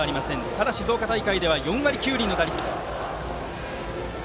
ただし静岡大会では４割９厘の打率。